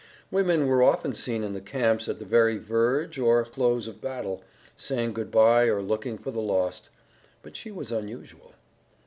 Women were often seen in the camps at the very verge or close of battle, saying good bye or looking for the lost, but she was unusual.